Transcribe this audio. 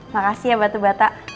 makasih ya batu bata